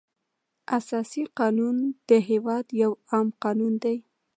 اساسي قانون د هېواد یو عام قانون دی.